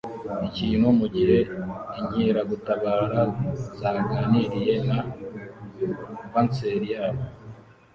ikintu mugihe inkeragutabara zaganiriye na vanseri yabo